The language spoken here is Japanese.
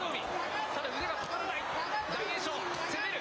ただ、腕がかからない、大栄翔、攻める。